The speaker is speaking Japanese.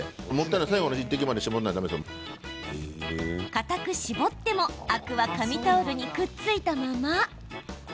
かたく絞ってもアクは紙タオルにくっついたまま。